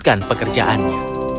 rami menunjukkan pekerjaannya